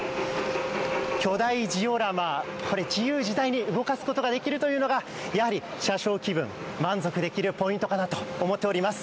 巨大ジオラマ、これ、自由自在に動かすことができるというのが車掌気分、満足できるポイントかなと思っております。